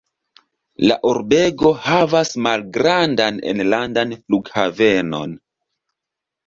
La urbego havas malgrandan enlandan flughavenon.